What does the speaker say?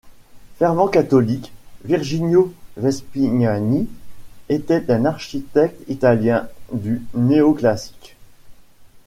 Fervent catholique, Virginio Vespignani était un architecte italien du néoclassique.